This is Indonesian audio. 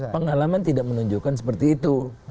pengalaman tidak menunjukkan seperti itu